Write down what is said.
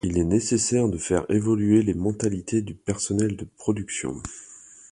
Il est nécessaire de faire évoluer les mentalités du personnel de production.